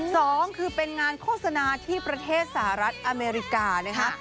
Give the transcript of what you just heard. สองคือเป็นงานโฆษณาที่ประเทศสหรัฐอเมริกานะคะ